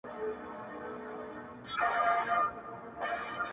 له غاړګیو به لمني تر لندنه ورځي.!